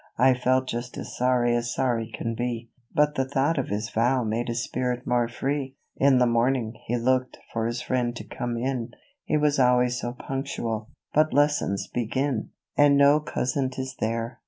I feel just as sorry as sorry can be ;" But the thought of his vow made his spirit more free. In the morning he looked for his friend to come in,— He was always so punctual, — but lessons begin, 20 LADY JANE. And no cousin is there.